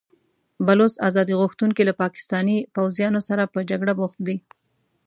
بلوڅ ازادي غوښتونکي له پاکستاني پوځیانو سره په جګړه بوخت دي.